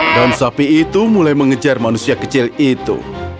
dan sapi itu mulai mengejar manusia kecil itu